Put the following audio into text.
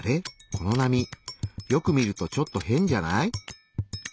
この波よく見るとちょっと変じゃない？